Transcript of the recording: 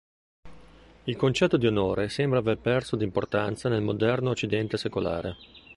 Il concetto di onore sembra aver perso di importanza nel moderno occidente secolare.